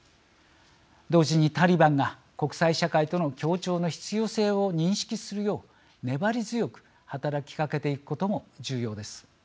同時にタリバンが国際社会との協調の必要性を認識するよう粘り強く働きかけていくことも重要です。